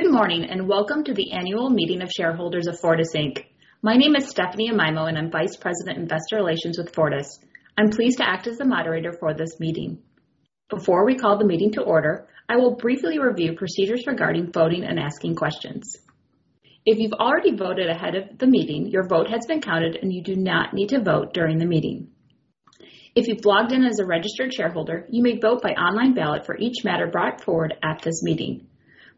Good morning. Welcome to the annual meeting of shareholders of Fortis Inc. My name is Stephanie Amaimo, and I'm Vice President, Investor Relations with Fortis. I'm pleased to act as the moderator for this meeting. Before we call the meeting to order, I will briefly review procedures regarding voting and asking questions. If you've already voted ahead of the meeting, your vote has been counted, and you do not need to vote during the meeting. If you've logged in as a registered shareholder, you may vote by online ballot for each matter brought forward at this meeting.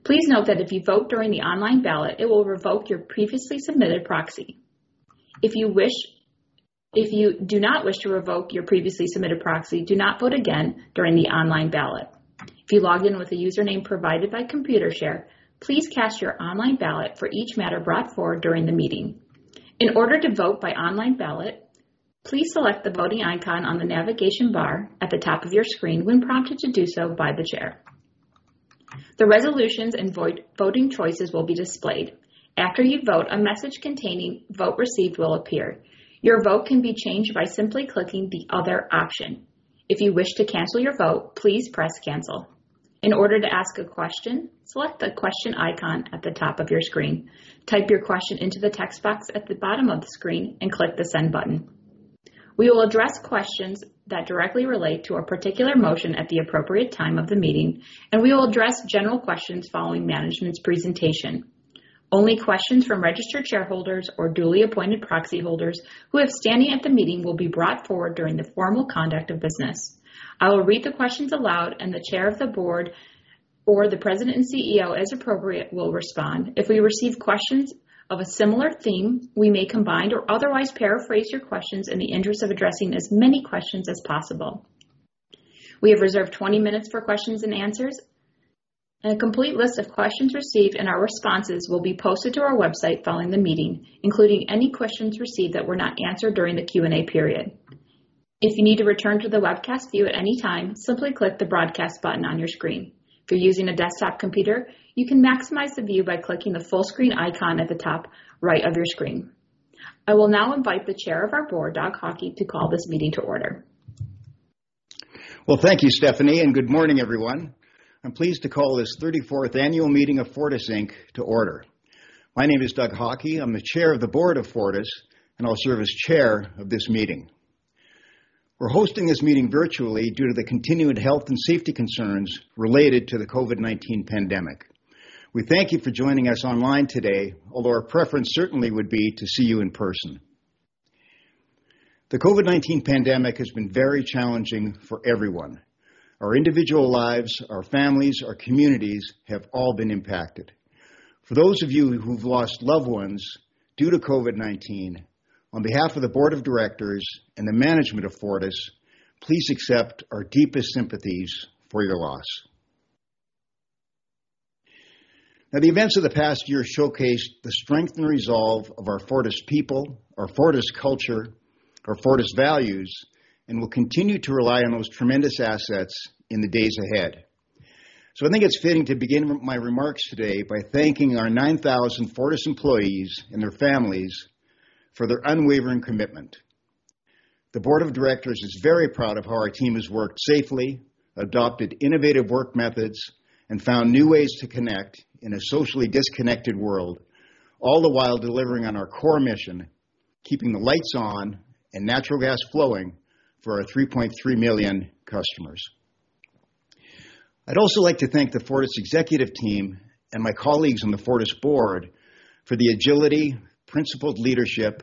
Please note that if you vote during the online ballot, it will revoke your previously submitted proxy. If you do not wish to revoke your previously submitted proxy, do not vote again during the online ballot. If you logged in with a username provided by Computershare, please cast your online ballot for each matter brought forward during the meeting. In order to vote by online ballot, please select the voting icon on the navigation bar at the top of your screen when prompted to do so by the chair. The resolutions and voting choices will be displayed. After you vote, a message containing vote received will appear. Your vote can be changed by simply clicking the other option. If you wish to cancel your vote, please press cancel. In order to ask a question, select the question icon at the top of your screen. Type your question into the text box at the bottom of the screen and click the send button. We will address questions that directly relate to a particular motion at the appropriate time of the meeting, and we will address general questions following management's presentation. Only questions from registered shareholders or duly appointed proxy holders who have standing at the meeting will be brought forward during the formal conduct of business. I will read the questions aloud, and the Chair of the Board or the President and CEO as appropriate will respond. If we receive questions of a similar theme, we may combine or otherwise paraphrase your questions in the interest of addressing as many questions as possible. We have reserved 20 minutes for questions and answers, and a complete list of questions received and our responses will be posted to our website following the meeting, including any questions received that were not answered during the Q&A period. If you need to return to the webcast view at any time, simply click the broadcast button on your screen. If you're using a desktop computer, you can maximize the view by clicking the full screen icon at the top right of your screen. I will now invite the Chair of our Board, Douglas J. Haughey, to call this meeting to order. Thank you, Stephanie, and good morning, everyone. I'm pleased to call this 34th annual meeting of Fortis Inc. to order. My name is Douglas J. Haughey. I'm the Chair of the Board of Fortis, and I'll serve as chair of this meeting. We're hosting this meeting virtually due to the continued health and safety concerns related to the COVID-19 pandemic. We thank you for joining us online today, although our preference certainly would be to see you in person. The COVID-19 pandemic has been very challenging for everyone. Our individual lives, our families, our communities have all been impacted. For those of you who've lost loved ones due to COVID-19, on behalf of the Board of Directors and the management of Fortis, please accept our deepest sympathies for your loss. The events of the past year showcased the strength and resolve of our Fortis people, our Fortis culture, our Fortis values, and we'll continue to rely on those tremendous assets in the days ahead. I think it's fitting to begin my remarks today by thanking our 9,000 Fortis employees and their families for their unwavering commitment. The board of directors is very proud of how our team has worked safely, adopted innovative work methods, and found new ways to connect in a socially disconnected world, all the while delivering on our core mission, keeping the lights on and natural gas flowing for our 3.3 million customers. I'd also like to thank the Fortis executive team and my colleagues on the Fortis board for the agility, principled leadership,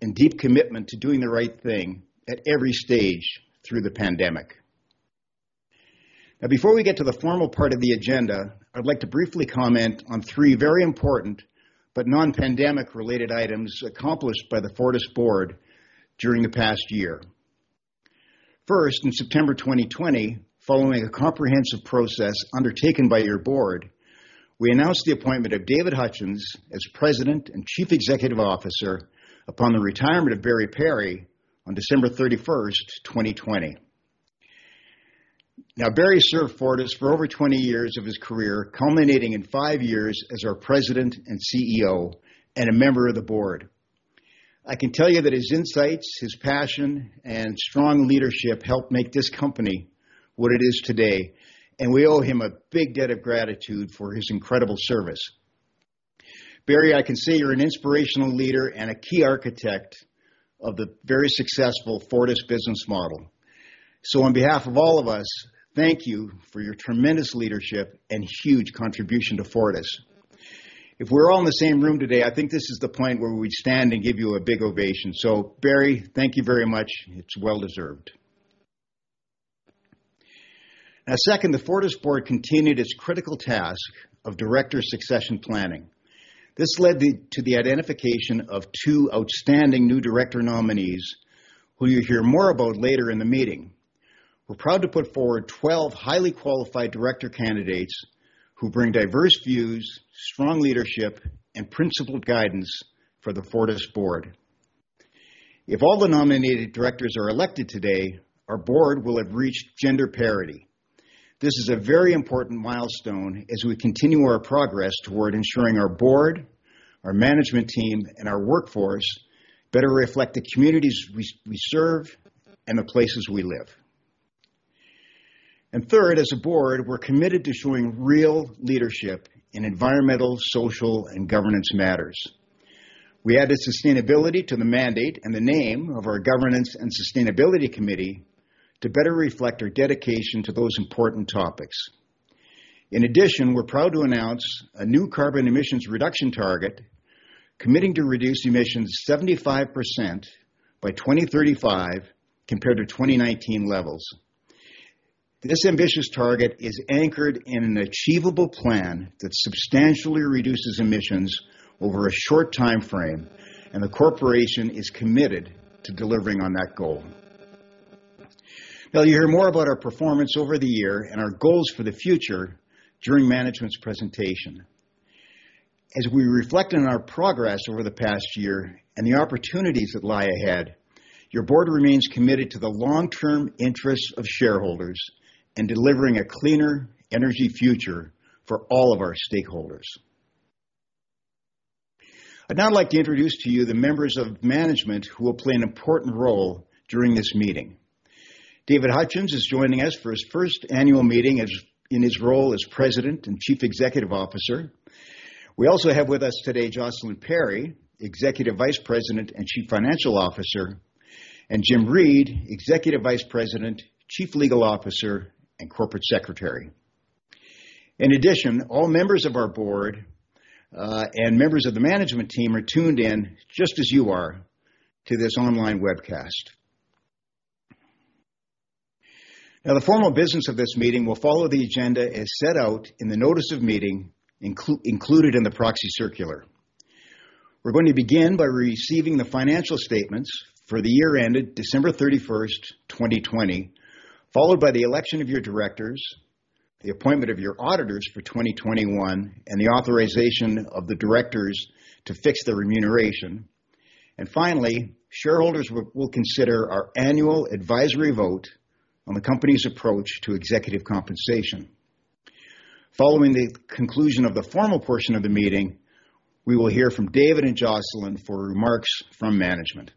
and deep commitment to doing the right thing at every stage through the pandemic. Before we get to the formal part of the agenda, I'd like to briefly comment on three very important but non-pandemic related items accomplished by the Fortis Board during the past year. In September 2020, following a comprehensive process undertaken by your Board, we announced the appointment of David Hutchens as President and Chief Executive Officer upon the retirement of Barry Perry on December 31st, 2020. Barry served Fortis for over 20 years of his career, culminating in five years as our President and CEO and a member of the Board. I can tell you that his insights, his passion, and strong leadership helped make this company what it is today, and we owe him a big debt of gratitude for his incredible service. Barry, I can say you're an inspirational leader and a key architect of the very successful Fortis business model. On behalf of all of us, thank you for your tremendous leadership and huge contribution to Fortis. If we were all in the same room today, I think this is the point where we'd stand and give you a big ovation. Barry, thank you very much. It's well deserved. Second, the Fortis board continued its critical task of director succession planning. This led to the identification of two outstanding new director nominees who you'll hear more about later in the meeting. We're proud to put forward 12 highly qualified director candidates who bring diverse views, strong leadership, and principled guidance for the Fortis board. If all the nominated directors are elected today, our board will have reached gender parity. This is a very important milestone as we continue our progress toward ensuring our board, our management team, and our workforce better reflect the communities we serve and the places we live. Third, as a board, we're committed to showing real leadership in environmental, social, and governance matters. We added sustainability to the mandate and the name of our Governance and Sustainability Committee to better reflect our dedication to those important topics. In addition, we're proud to announce a new carbon emissions reduction target, committing to reduce emissions 75% by 2035 compared to 2019 levels. This ambitious target is anchored in an achievable plan that substantially reduces emissions over a short timeframe. The corporation is committed to delivering on that goal. You'll hear more about our performance over the year and our goals for the future during management's presentation. As we reflect on our progress over the past year and the opportunities that lie ahead, your board remains committed to the long-term interests of shareholders and delivering a cleaner energy future for all of our stakeholders. I'd now like to introduce to you the members of management who will play an important role during this meeting. David Hutchens is joining us for his first annual meeting in his role as President and Chief Executive Officer. We also have with us today Jocelyn Perry, Executive Vice President and Chief Financial Officer, and Jim Reid, Executive Vice President, Chief Legal Officer, and Corporate Secretary. In addition, all members of our board, and members of the management team are tuned in, just as you are, to this online webcast. Now, the formal business of this meeting will follow the agenda as set out in the notice of meeting included in the proxy circular. We're going to begin by receiving the financial statements for the year ended December 31st, 2020, followed by the election of your directors, the appointment of your auditors for 2021, and the authorization of the directors to fix their remuneration. Finally, shareholders will consider our annual advisory vote on the company's approach to executive compensation. Following the conclusion of the formal portion of the meeting, we will hear from David and Jocelyn for remarks from management.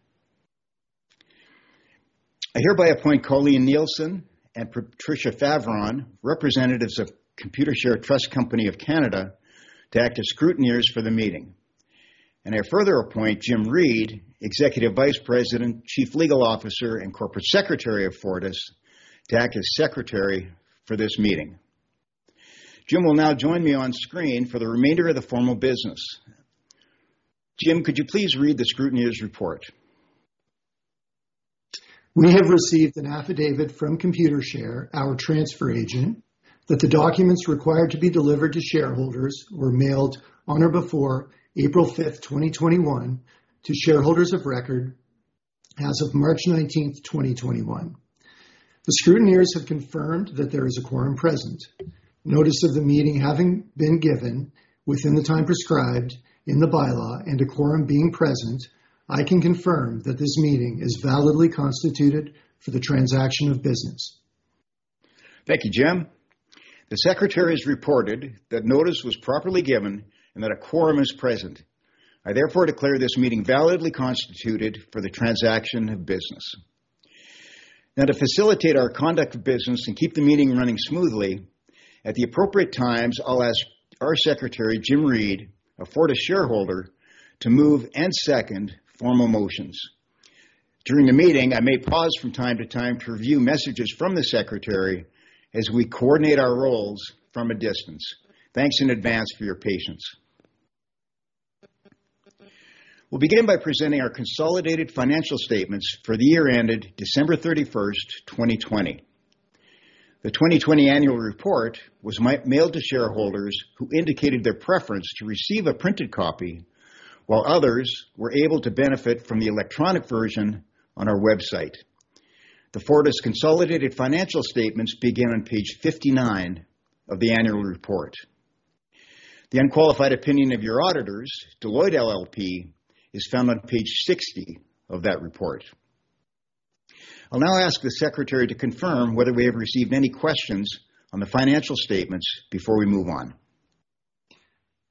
I hereby appoint Colleen Nielsen and Patricia Favron, representatives of Computershare Trust Company of Canada, to act as scrutineers for the meeting. I further appoint Jim Reid, Executive Vice President, Chief Legal Officer, and Corporate Secretary of Fortis, to act as secretary for this meeting. Jim will now join me on screen for the remainder of the formal business. Jim, could you please read the scrutineer's report? We have received an affidavit from Computershare, our transfer agent, that the documents required to be delivered to shareholders were mailed on or before April 5th, 2021, to shareholders of record as of March 19th, 2021. The scrutineers have confirmed that there is a quorum present. Notice of the meeting having been given within the time prescribed in the bylaw and a quorum being present, I can confirm that this meeting is validly constituted for the transaction of business. Thank you, Jim. The secretary has reported that notice was properly given and that a quorum is present. I therefore declare this meeting validly constituted for the transaction of business. To facilitate our conduct of business and keep the meeting running smoothly, at the appropriate times, I'll ask our secretary, Jim Reid, a Fortis shareholder, to move and second formal motions. During the meeting, I may pause from time to time to review messages from the secretary as we coordinate our roles from a distance. Thanks in advance for your patience. We'll begin by presenting our consolidated financial statements for the year ended December 31st, 2020. The 2020 annual report was mailed to shareholders who indicated their preference to receive a printed copy, while others were able to benefit from the electronic version on our website. The Fortis consolidated financial statements begin on page 59 of the annual report. The unqualified opinion of your auditors, Deloitte LLP, is found on page 60 of that report. I'll now ask the secretary to confirm whether we have received any questions on the financial statements before we move on.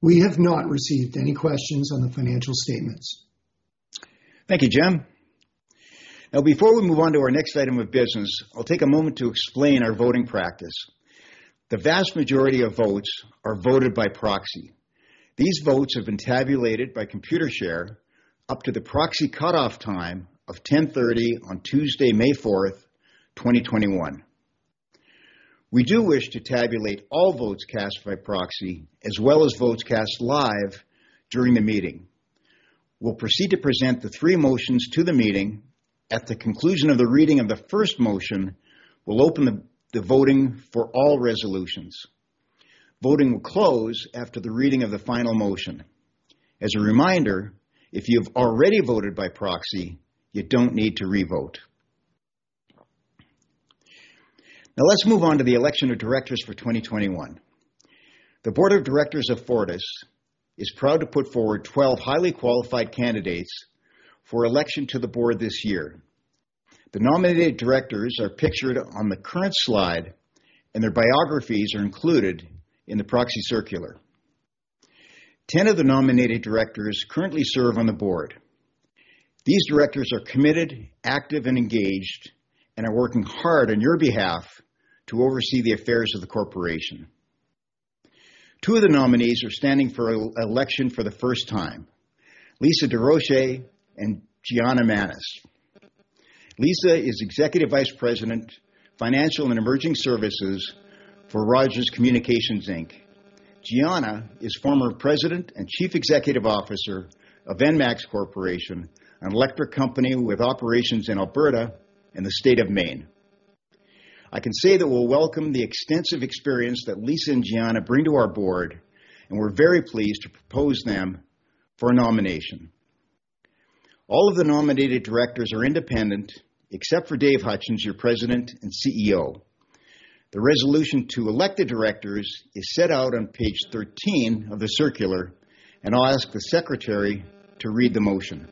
We have not received any questions on the financial statements. Thank you, Jim. Before we move on to our next item of business, I'll take a moment to explain our voting practice. The vast majority of votes are voted by proxy. These votes have been tabulated by Computershare up to the proxy cutoff time of 10:30 A.M. on Tuesday, May 4th, 2021. We do wish to tabulate all votes cast by proxy as well as votes cast live during the meeting. We'll proceed to present the three motions to the meeting. At the conclusion of the reading of the first motion, we'll open the voting for all resolutions. Voting will close after the reading of the final motion. As a reminder, if you've already voted by proxy, you don't need to revote. Let's move on to the election of directors for 2021. The board of directors of Fortis is proud to put forward 12 highly qualified candidates for election to the board this year. The nominated directors are pictured on the current slide, and their biographies are included in the proxy circular. 10 of the nominated directors currently serve on the board. These directors are committed, active and engaged, and are working hard on your behalf to oversee the affairs of the corporation. Two of the nominees are standing for election for the first time, Lisa L. Durocher and Gianna M. Manes. Lisa is Executive Vice President, Financial and Emerging Services for Rogers Communications Inc. Gianna is former President and Chief Executive Officer of Enmax Corporation, an electric company with operations in Alberta and the state of Maine. I can say that we'll welcome the extensive experience that Lisa and Gianna bring to our board, and we're very pleased to propose them for a nomination. All of the nominated directors are independent, except for David Hutchens, your President and CEO. The resolution to elect the directors is set out on page 13 of the circular. I'll ask the secretary to read the motion.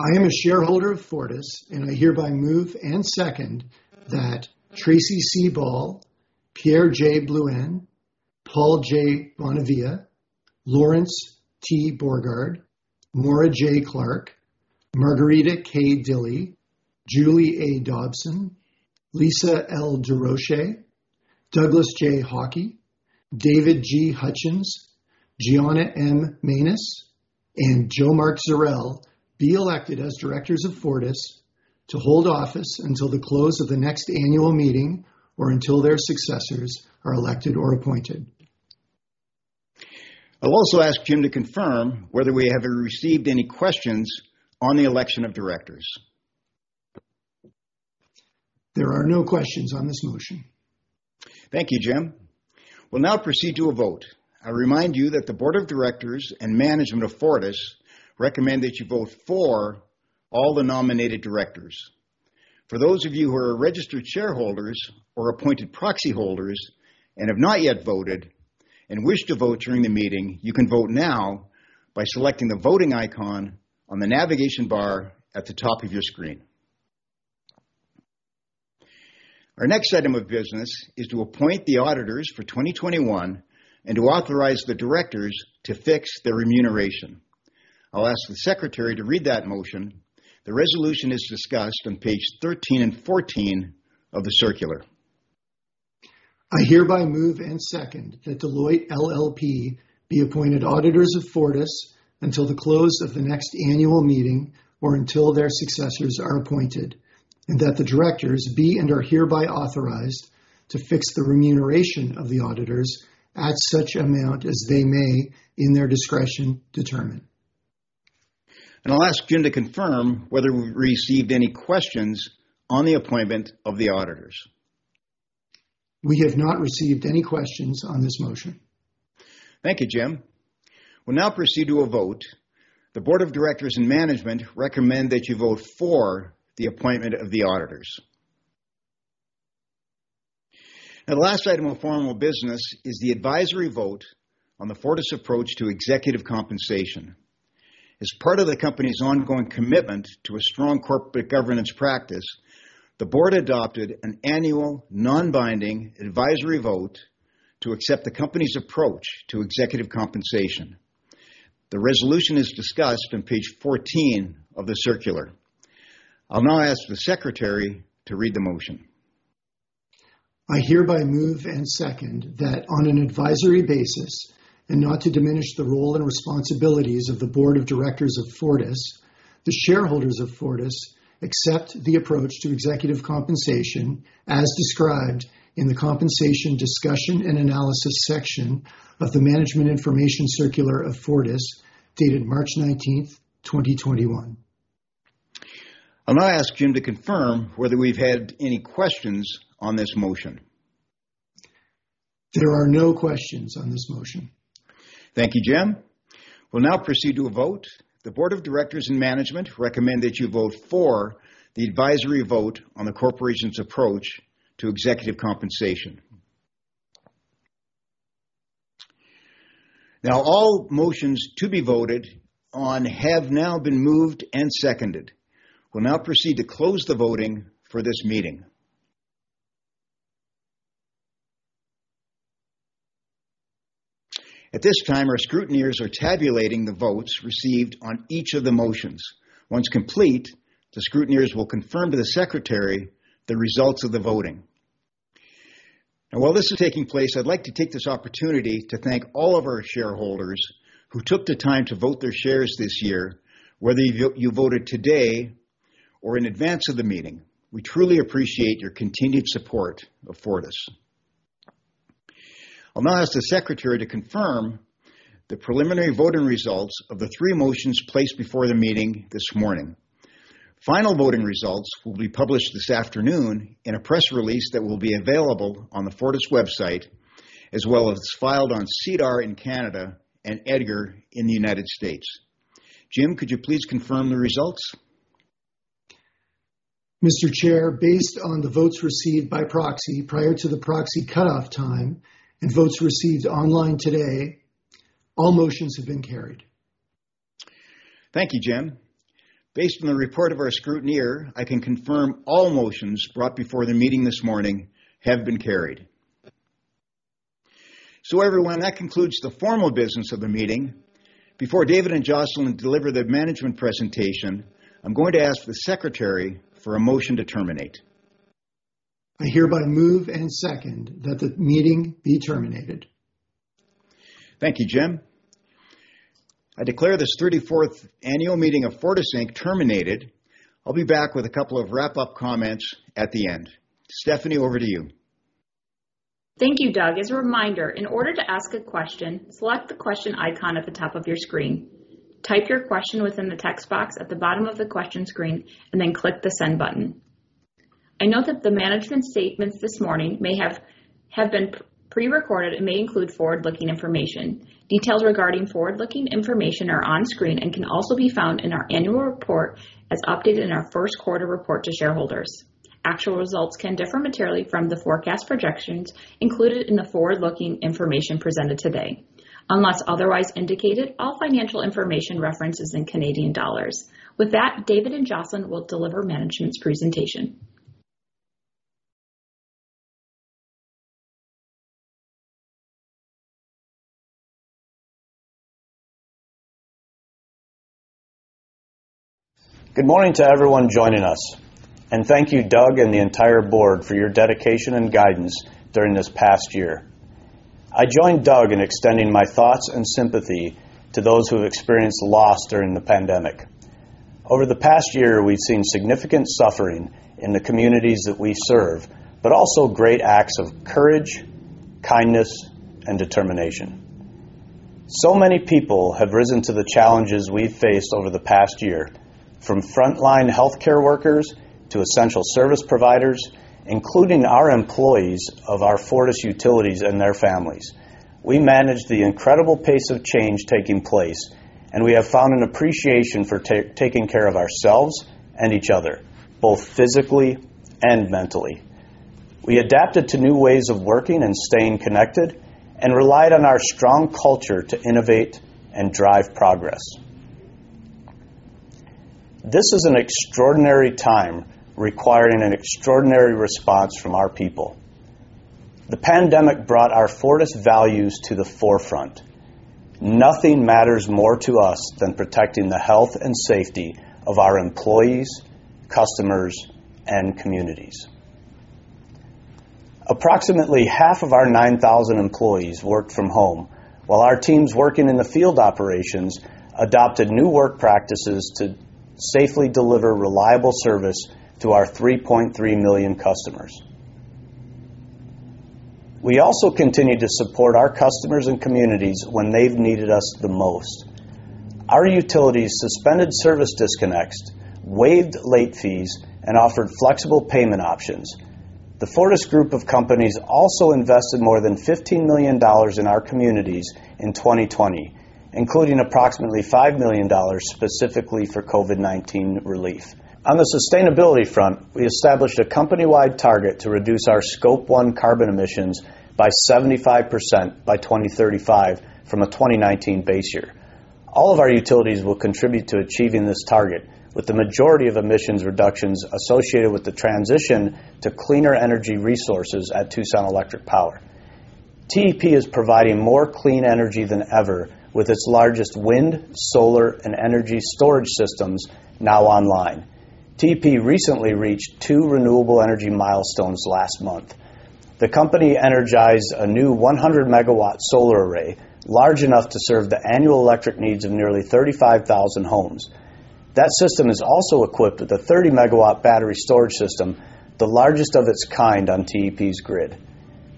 I am a shareholder of Fortis. I hereby move and second that Tracey C. Ball, Pierre J. Blouin, Paul J. Bonavia, Lawrence T. Borgard, Maura J. Clark, Margarita K. Dilley, Julie A. Dobson, Lisa L. Durocher, Douglas J. Haughey, David G. Hutchens, Gianna M. Manes, and Jo Mark Zurel be elected as directors of Fortis to hold office until the close of the next annual meeting or until their successors are elected or appointed. I'll also ask Jim to confirm whether we have received any questions on the election of directors. There are no questions on this motion. Thank you, Jim. We'll now proceed to a vote. I remind you that the board of directors and management of Fortis recommend that you vote for all the nominated directors. For those of you who are registered shareholders or appointed proxy holders and have not yet voted and wish to vote during the meeting, you can vote now by selecting the voting icon on the navigation bar at the top of your screen. Our next item of business is to appoint the auditors for 2021 and to authorize the directors to fix their remuneration. I'll ask the secretary to read that motion. The resolution is discussed on page 13 and 14 of the circular. I hereby move and second that Deloitte LLP be appointed auditors of Fortis until the close of the next annual meeting or until their successors are appointed, and that the directors be, and are hereby authorized to fix the remuneration of the auditors at such amount as they may, in their discretion, determine. I'll ask Jim to confirm whether we've received any questions on the appointment of the auditors. We have not received any questions on this motion. Thank you, Jim. We'll now proceed to a vote. The board of directors and management recommend that you vote for the appointment of the auditors. Now, the last item of formal business is the advisory vote on the Fortis approach to executive compensation. As part of the company's ongoing commitment to a strong corporate governance practice, the board adopted an annual non-binding advisory vote to accept the company's approach to executive compensation. The resolution is discussed on page 14 of the circular. I'll now ask the secretary to read the motion. I hereby move and second that on an advisory basis, and not to diminish the role and responsibilities of the board of directors of Fortis, the shareholders of Fortis accept the approach to executive compensation as described in the compensation discussion and analysis section of the Management Information Circular of Fortis, dated March 19th, 2021. I'll now ask Jim to confirm whether we've had any questions on this motion. There are no questions on this motion. Thank you, Jim. We'll now proceed to a vote. The board of directors and management recommend that you vote for the advisory vote on the corporation's approach to executive compensation. All motions to be voted on have now been moved and seconded. We'll now proceed to close the voting for this meeting. At this time, our scrutineers are tabulating the votes received on each of the motions. Once complete, the scrutineers will confirm to the secretary the results of the voting. While this is taking place, I'd like to take this opportunity to thank all of our shareholders who took the time to vote their shares this year, whether you voted today or in advance of the meeting. We truly appreciate your continued support of Fortis. I'll now ask the secretary to confirm the preliminary voting results of the three motions placed before the meeting this morning. Final voting results will be published this afternoon in a press release that will be available on the Fortis website as well as filed on SEDAR in Canada and EDGAR in the United States. Jim, could you please confirm the results? Mr. Chair, based on the votes received by proxy prior to the proxy cutoff time and votes received online today, all motions have been carried. Thank you, Jim. Based on the report of our scrutineer, I can confirm all motions brought before the meeting this morning have been carried. Everyone, that concludes the formal business of the meeting. Before David and Jocelyn deliver the management presentation, I am going to ask the secretary for a motion to terminate. I hereby move and second that the meeting be terminated. Thank you, Jim. I declare this 34th annual meeting of Fortis Inc. terminated. I'll be back with a couple of wrap-up comments at the end. Stephanie, over to you. Thank you, Doug. As a reminder, in order to ask a question, select the question icon at the top of your screen. Type your question within the text box at the bottom of the question screen, and then click the send button. I note that the management statements this morning may have been pre-recorded and may include forward-looking information. Details regarding forward-looking information are on screen and can also be found in our annual report as updated in our first quarter report to shareholders. Actual results can differ materially from the forecast projections included in the forward-looking information presented today. Unless otherwise indicated, all financial information reference is in Canadian dollars. With that, David and Jocelyn will deliver management's presentation. Good morning to everyone joining us. Thank you, Doug, and the entire Board for your dedication and guidance during this past year. I join Doug in extending my thoughts and sympathy to those who have experienced loss during the pandemic. Over the past year, we've seen significant suffering in the communities that we serve, but also great acts of courage, kindness, and determination. Many people have risen to the challenges we've faced over the past year, from frontline healthcare workers to essential service providers, including our employees of our Fortis utilities and their families. We managed the incredible pace of change taking place, and we have found an appreciation for taking care of ourselves and each other, both physically and mentally. We adapted to new ways of working and staying connected and relied on our strong culture to innovate and drive progress. This is an extraordinary time requiring an extraordinary response from our people. The pandemic brought our Fortis values to the forefront. Nothing matters more to us than protecting the health and safety of our employees, customers, and communities. Approximately half of our 9,000 employees worked from home, while our teams working in the field operations adopted new work practices to safely deliver reliable service to our 3.3 million customers. We also continue to support our customers and communities when they've needed us the most. Our utilities suspended service disconnects, waived late fees, and offered flexible payment options. The Fortis group of companies also invested more than 15 million dollars in our communities in 2020, including approximately 5 million dollars specifically for COVID-19 relief. On the sustainability front, we established a company-wide target to reduce our Scope 1 carbon emissions by 75% by 2035 from a 2019 base year. All of our utilities will contribute to achieving this target, with the majority of emissions reductions associated with the transition to cleaner energy resources at Tucson Electric Power. TEP is providing more clean energy than ever with its largest wind, solar, and energy storage systems now online. TEP recently reached two renewable energy milestones last month. The company energized a new 100-MW solar array, large enough to serve the annual electric needs of nearly 35,000 homes. That system is also equipped with a 30-MW battery storage system, the largest of its kind on TEP's grid.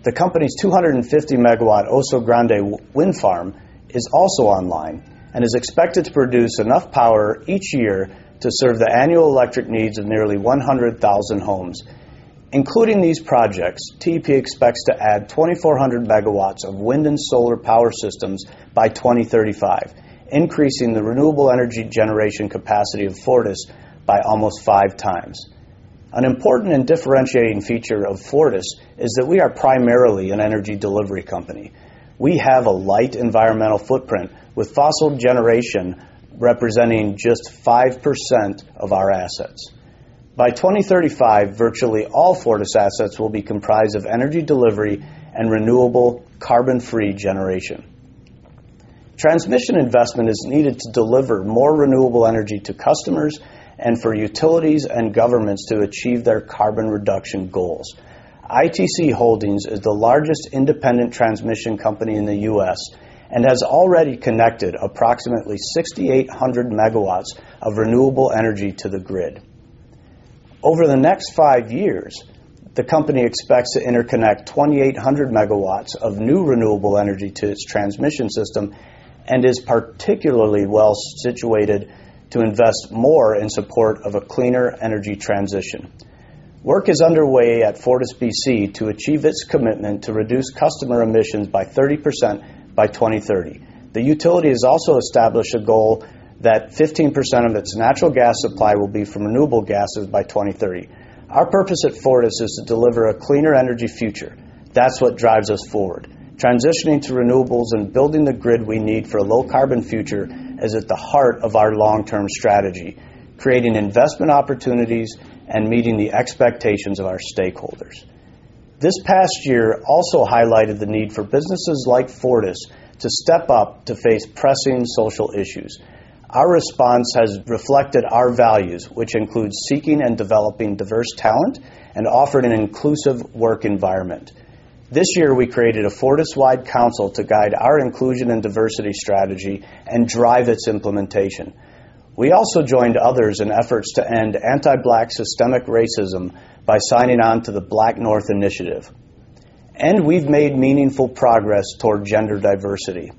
The company's 250-MW Oso Grande Wind Farm is also online and is expected to produce enough power each year to serve the annual electric needs of nearly 100,000 homes. Including these projects, TEP expects to add 2,400 MW of wind and solar power systems by 2035, increasing the renewable energy generation capacity of Fortis by almost five times. An important and differentiating feature of Fortis is that we are primarily an energy delivery company. We have a light environmental footprint, with fossil generation representing just 5% of our assets. By 2035, virtually all Fortis assets will be comprised of energy delivery and renewable carbon-free generation. Transmission investment is needed to deliver more renewable energy to customers and for utilities and governments to achieve their carbon reduction goals. ITC Holdings is the largest independent transmission company in the U.S. and has already connected approximately 6,800 MW of renewable energy to the grid. Over the next five years, the company expects to interconnect 2,800 MW of new renewable energy to its transmission system and is particularly well-situated to invest more in support of a cleaner energy transition. Work is underway at FortisBC to achieve its commitment to reduce customer emissions by 30% by 2030. The utility has also established a goal that 15% of its natural gas supply will be from renewable gases by 2030. Our purpose at Fortis is to deliver a cleaner energy future. That's what drives us forward. Transitioning to renewables and building the grid we need for a low-carbon future is at the heart of our long-term strategy, creating investment opportunities and meeting the expectations of our stakeholders. This past year also highlighted the need for businesses like Fortis to step up to face pressing social issues. Our response has reflected our values, which include seeking and developing diverse talent and offering an inclusive work environment. This year, we created a Fortis-wide council to guide our inclusion and diversity strategy and drive its implementation. We also joined others in efforts to end anti-Black systemic racism by signing on to the BlackNorth Initiative, and we've made meaningful progress toward gender diversity.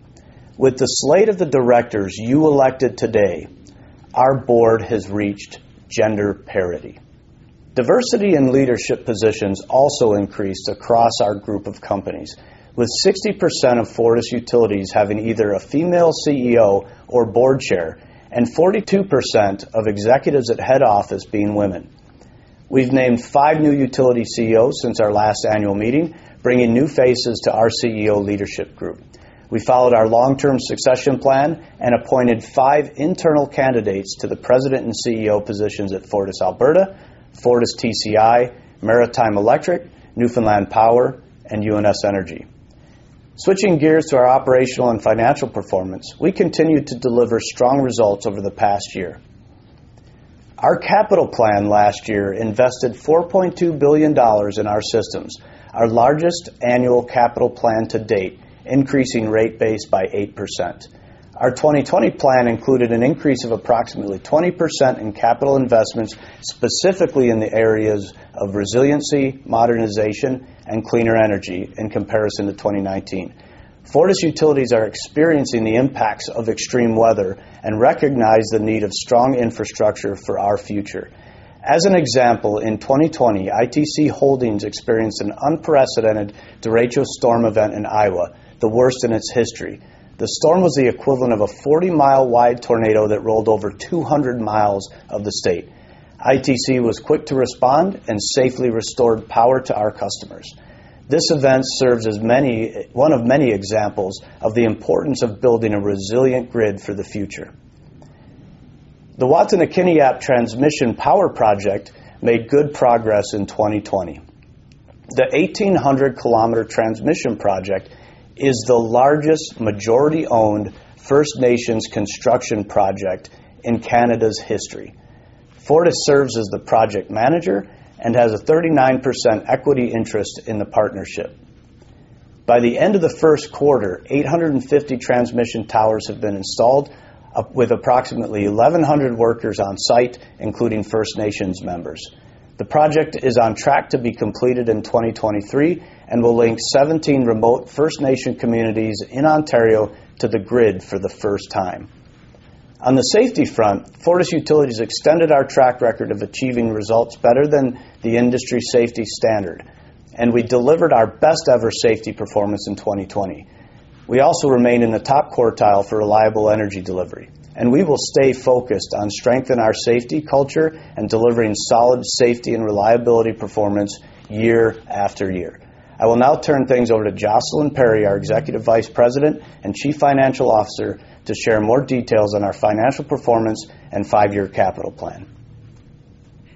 With the slate of the directors you elected today, our board has reached gender parity. Diversity in leadership positions also increased across our group of companies, with 60% of Fortis utilities having either a female CEO or board chair and 42% of executives at head office being women. We've named five new utility CEOs since our last annual meeting, bringing new faces to our CEO leadership group. We followed our long-term succession plan and appointed five internal candidates to the president and CEO positions at FortisAlberta, FortisTCI, Maritime Electric, Newfoundland Power, and UNS Energy. Switching gears to our operational and financial performance, we continued to deliver strong results over the past year. Our capital plan last year invested 4.2 billion dollars in our systems, our largest annual capital plan to date, increasing rate base by 8%. Our 2020 plan included an increase of approximately 20% in capital investments, specifically in the areas of resiliency, modernization, and cleaner energy in comparison to 2019. Fortis utilities are experiencing the impacts of extreme weather and recognize the need of strong infrastructure for our future. As an example, in 2020, ITC Holdings experienced an unprecedented derecho storm event in Iowa, the worst in its history. The storm was the equivalent of a 40-mile-wide tornado that rolled over 200 miles of the state. ITC was quick to respond and safely restored power to our customers. This event serves as one of many examples of the importance of building a resilient grid for the future. The Wataynikaneyap Power Transmission project made good progress in 2020. The 1,800-kilometer transmission project is the largest majority-owned First Nations construction project in Canada's history. Fortis serves as the project manager and has a 39% equity interest in the partnership. By the end of the first quarter, 850 transmission towers have been installed, with approximately 1,100 workers on site, including First Nations members. The project is on track to be completed in 2023 and will link 17 remote First Nation communities in Ontario to the grid for the first time. On the safety front, Fortis utilities extended our track record of achieving results better than the industry safety standard, and we delivered our best-ever safety performance in 2020. We also remain in the top quartile for reliable energy delivery, and we will stay focused on strengthening our safety culture and delivering solid safety and reliability performance year after year. I will now turn things over to Jocelyn Perry, our Executive Vice President and Chief Financial Officer, to share more details on our financial performance and five-year capital plan.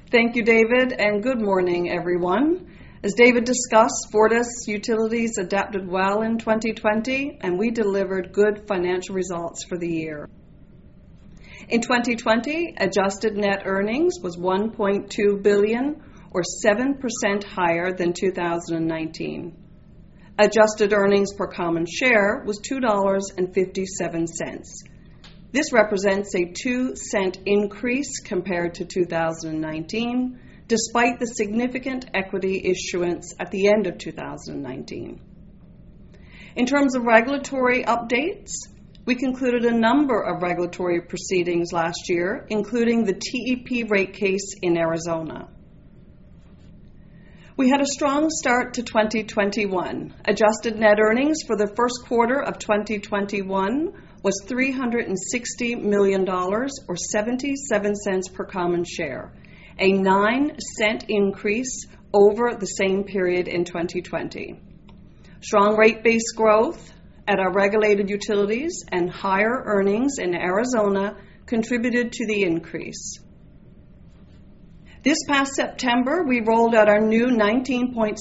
Thank you, David. Good morning, everyone. As David discussed, Fortis utilities adapted well in 2020, and we delivered good financial results for the year. In 2020, adjusted net earnings was 1.2 billion, or 7% higher than 2019. Adjusted earnings per common share was 2.57 dollars. This represents a 0.02 increase compared to 2019, despite the significant equity issuance at the end of 2019. In terms of regulatory updates, we concluded a number of regulatory proceedings last year, including the TEP rate case in Arizona. We had a strong start to 2021. Adjusted net earnings for the first quarter of 2021 was 360 million dollars, or 0.77 per common share, a 0.09 increase over the same period in 2020. Strong rate base growth at our regulated utilities and higher earnings in Arizona contributed to the increase. This past September, we rolled out our new 19.6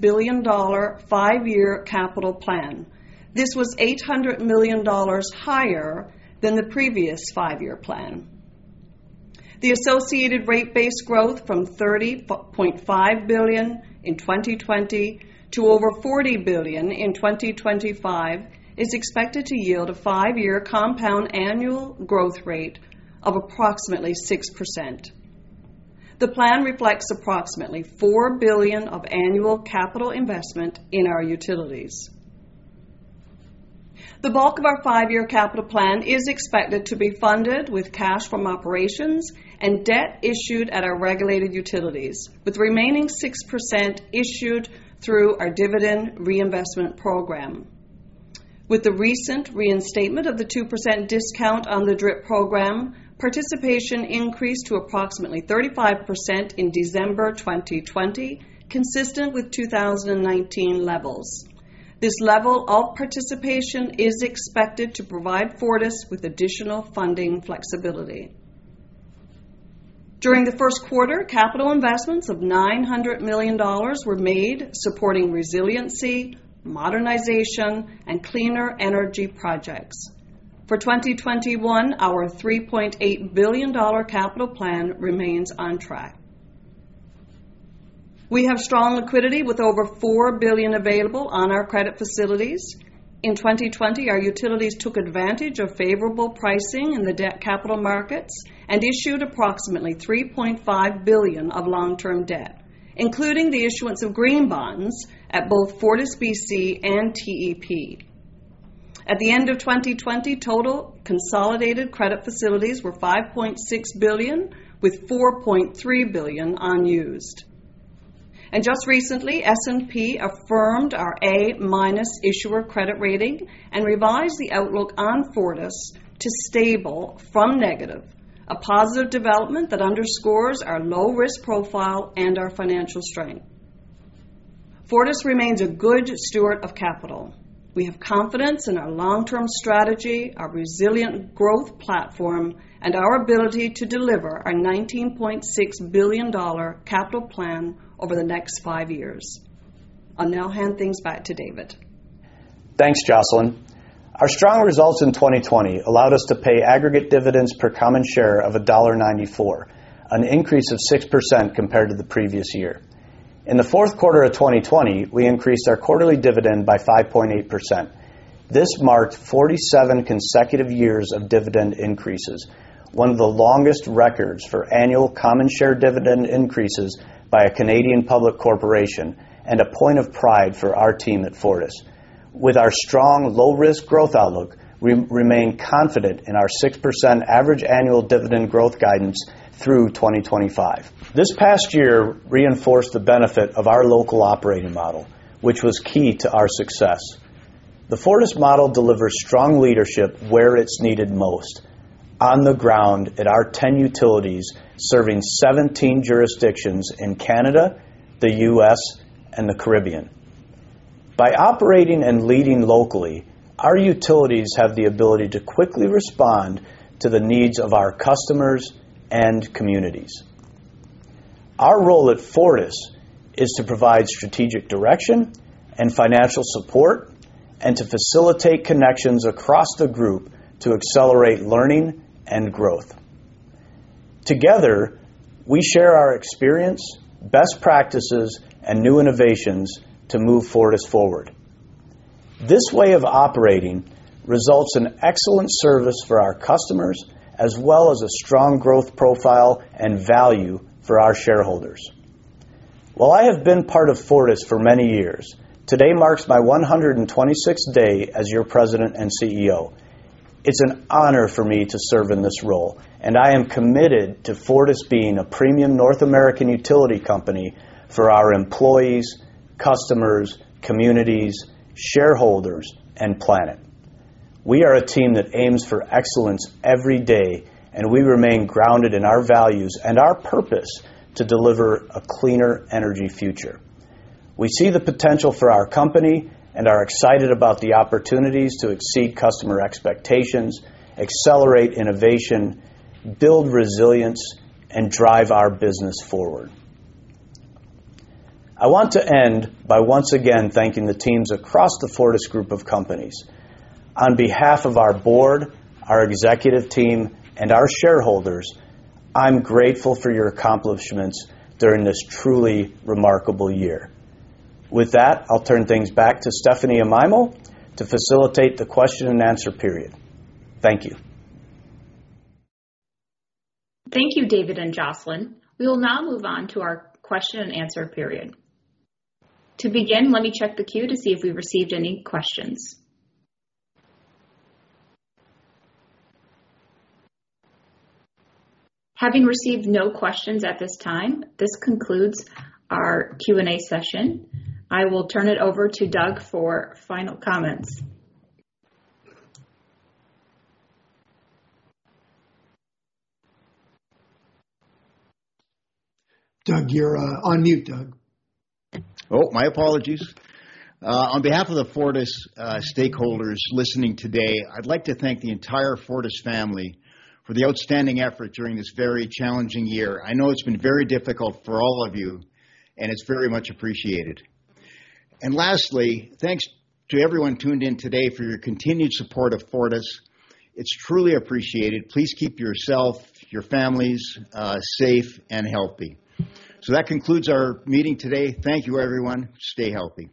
billion dollar five-year capital plan. This was 800 million dollars higher than the previous five-year plan. The associated rate base growth from 30.5 billion in 2020 to over 40 billion in 2025 is expected to yield a five-year compound annual growth rate of approximately 6%. The plan reflects approximately 4 billion of annual capital investment in our utilities. The bulk of our five-year capital plan is expected to be funded with cash from operations and debt issued at our regulated utilities, with the remaining 6% issued through our dividend reinvestment program. With the recent reinstatement of the 2% discount on the DRIP program, participation increased to approximately 35% in December 2020, consistent with 2019 levels. This level of participation is expected to provide Fortis with additional funding flexibility. During the first quarter, capital investments of 900 million dollars were made supporting resiliency, modernization, and cleaner energy projects. For 2021, our 3.8 billion dollar capital plan remains on track. We have strong liquidity with over 4 billion available on our credit facilities. In 2020, our utilities took advantage of favorable pricing in the debt capital markets and issued approximately 3.5 billion of long-term debt, including the issuance of green bonds at both FortisBC and TEP. At the end of 2020, total consolidated credit facilities were 5.6 billion, with 4.3 billion unused. Just recently, S&P affirmed our A- issuer credit rating and revised the outlook on Fortis to stable from negative, a positive development that underscores our low risk profile and our financial strength. Fortis remains a good steward of capital. We have confidence in our long-term strategy, our resilient growth platform, and our ability to deliver our 19.6 billion dollar capital plan over the next five years. I'll now hand things back to David. Thanks, Jocelyn. Our strong results in 2020 allowed us to pay aggregate dividends per common share of dollar 1.94, an increase of 6% compared to the previous year. In the fourth quarter of 2020, we increased our quarterly dividend by 5.8%. This marked 47 consecutive years of dividend increases, one of the longest records for annual common share dividend increases by a Canadian public corporation and a point of pride for our team at Fortis. With our strong low-risk growth outlook, we remain confident in our 6% average annual dividend growth guidance through 2025. This past year reinforced the benefit of our local operating model, which was key to our success. The Fortis model delivers strong leadership where it's needed most, on the ground at our 10 utilities, serving 17 jurisdictions in Canada, the U.S., and the Caribbean. By operating and leading locally, our utilities have the ability to quickly respond to the needs of our customers and communities. Our role at Fortis is to provide strategic direction and financial support and to facilitate connections across the group to accelerate learning and growth. Together, we share our experience, best practices, and new innovations to move Fortis forward. This way of operating results in excellent service for our customers, as well as a strong growth profile and value for our shareholders. While I have been part of Fortis for many years, today marks my 126th day as your president and CEO. It's an honor for me to serve in this role, and I am committed to Fortis being a premium North American utility company for our employees, customers, communities, shareholders, and planet. We are a team that aims for excellence every day, and we remain grounded in our values and our purpose to deliver a cleaner energy future. We see the potential for our company and are excited about the opportunities to exceed customer expectations, accelerate innovation, build resilience, and drive our business forward. I want to end by once again thanking the teams across the Fortis group of companies. On behalf of our board, our executive team, and our shareholders, I'm grateful for your accomplishments during this truly remarkable year. With that, I'll turn things back to Stephanie Amaimo to facilitate the question and answer period. Thank you. Thank you, David and Jocelyn. We will now move on to our question and answer period. To begin, let me check the queue to see if we received any questions. Having received no questions at this time, this concludes our Q&A session. I will turn it over to Doug for final comments. Doug, you're on mute, Doug. Oh, my apologies. On behalf of the Fortis stakeholders listening today, I'd like to thank the entire Fortis family for the outstanding effort during this very challenging year. I know it's been very difficult for all of you, and it's very much appreciated. Lastly, thanks to everyone tuned in today for your continued support of Fortis. It's truly appreciated. Please keep yourself, your families, safe and healthy. That concludes our meeting today. Thank you, everyone. Stay healthy.